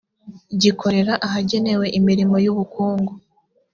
gikorera ahagenewe imirimo y ubukungu